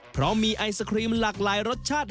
เพราะมีไอศครีมหลากหลายรสชาติ